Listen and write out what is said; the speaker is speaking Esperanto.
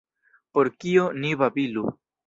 Por kio ni babilu.